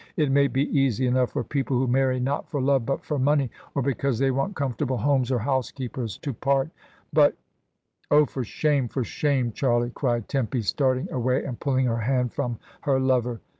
It may be easy enough for people who marry not for love but for money, or because they want comfortable homes or house keepers, to part, but " "Oh, for shame, for shame, Charlie," cried Tempy, starting away and pulling her hand from her lover.